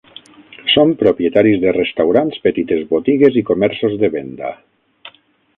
Són propietaris de restaurants, petites botigues i comerços de venda.